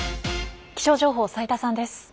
気象情報斉田さんです。